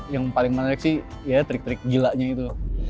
yang paling menarik sih ya trick trick gilanya itu